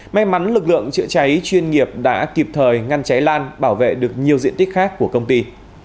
may mắn lực lượng chữa cháy chuyên nghiệp đã kịp thời ngăn cháy lan bảo vệ được nhiều diện tích khác của công ty